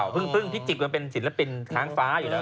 พึ่งพิจิปเป็นศิลปินทางฟ้าอยู่แล้ว